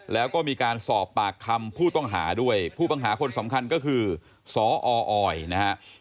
แล้วก็มีการสอบปากคำผู้ต้องหาด้วยผู้ต้องหาคนสำคัญก็คือสออยนะครับ